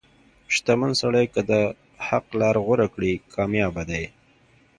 • شتمن سړی که د حق لار غوره کړي، کامیابه دی.